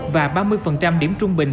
và ba mươi điểm trung bình